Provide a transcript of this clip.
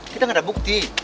kita gak ada bukti